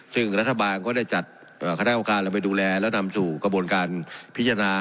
ซึ่งรัฐบาลก็ได้จัดคณะกรรมการลงไปดูแลและนำสู่กระบวนการพิจารณา